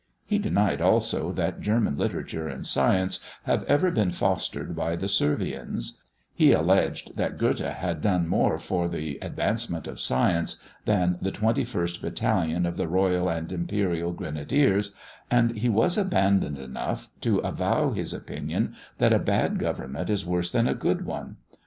He denied also that German literature and science have ever been fostered by the Servians; he alleged that Göthe had done more for the advancement of science than the twenty first battalion of the Royal and Imperial Grenadiers, and he was abandoned enough to avow his opinion that a bad government is worse than a good one.